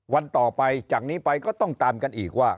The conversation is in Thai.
วันต่อไปจากนี้ไปก็ต้องตามกันอีกว่า